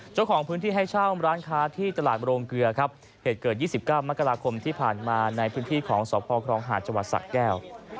เจ้าของพื้นที่ให้เช่าร้านค้าที่ตลาดโรงเกลือครับเหตุเกิด๒๙มกราคมที่ผ่านมาในพื้นที่ของสพครองหาดจังหวัดสะแก้ว